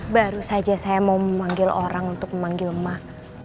baru saja saya mau memanggil orang untuk memanggil emak